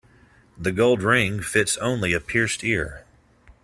The gold ring fits only a pierced ear.